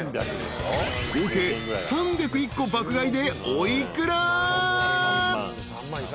［合計３０１個爆買いでお幾ら？］